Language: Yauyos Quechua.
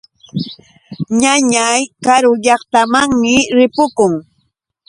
Ñañaa karu llaqtamanmi ripukun.